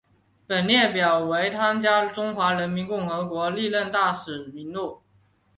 本列表为汤加驻中华人民共和国历任大使名录。